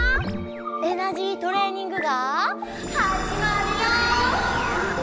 エナジートレーニングがはじまるよ！